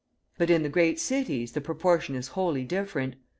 But in the great cities the proportion is wholly different.